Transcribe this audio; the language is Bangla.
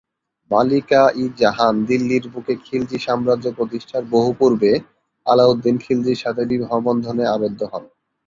মালিকা-ই-জাহান দিল্লির বুকে খিলজি সাম্রাজ্য প্রতিষ্ঠার বহু পূর্বে আলাউদ্দিন খিলজির সাথে বিবাহ বন্ধনে আবদ্ধ হন।